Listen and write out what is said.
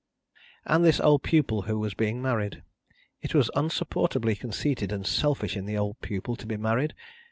And this old pupil who was being married. It was unsupportably conceited and selfish in the old pupil to be married.